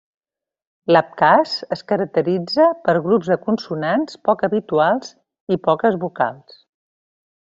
L'abkhaz es caracteritza per grups de consonants poc habituals i poques vocals.